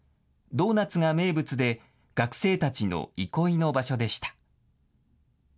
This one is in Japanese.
ドーナツが名物で、学生たちの憩いの場所でした。